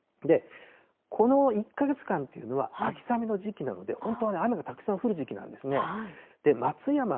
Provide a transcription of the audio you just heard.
この１か月間というのは、秋雨の時期なので、本当はね、雨がたくさん降る時期なんですね。